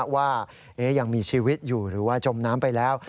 ว่ายังมีชีวิตอยู่หรือว่าจมน้ำไปแล้ว